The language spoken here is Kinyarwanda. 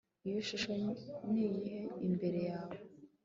Iyo shusho niyihe imbere yawe